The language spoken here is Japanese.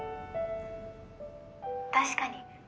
確かに。